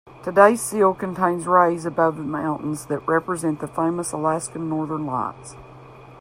Today's seal contains rays above the mountains that represent the famous Alaskan northern lights.